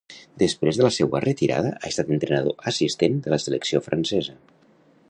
Després de la seua retirada, ha estat entrenador assistent de la selecció francesa.